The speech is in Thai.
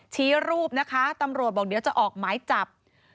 ชี้รูปนะคะตำรวจบอกเดี๋ยวจะออกหมายจับ